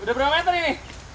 sudah berapa meter ini